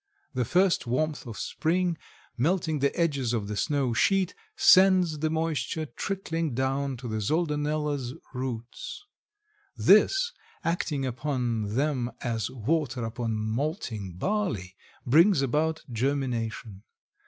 The first warmth of spring melting the edges of the snow sheet sends the moisture trickling down to the Soldanella's roots. This, acting upon them as water upon malting barley, brings about germination.